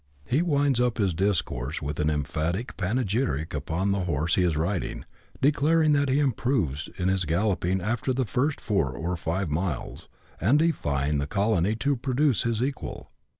He winds up his discourse with an emphatic panegyric upon the horse he is riding, declaring that he improves in his galloping after the first four or five miles, and defying the colony to produce his equal.